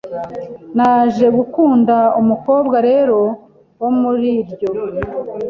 Naje gukunda umukobwa rero wo muri iryo